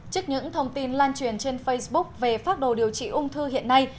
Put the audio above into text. trước những thông tin lan truyền trên facebook về phác đồ điều trị ung thư hiện nay